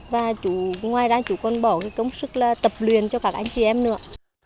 và chú ngoài ra chú còn bỏ cái công sức là tập luyện cho các anh chị em nữa